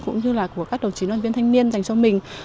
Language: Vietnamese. cũng như là của các đồng chí đoàn viên thanh niên dành cho mình